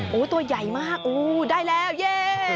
โอ้โหตัวใหญ่มากโอ้ได้แล้วเย่